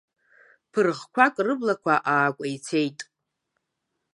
Ԥырӷқәак рыблақәа аакәеицеит.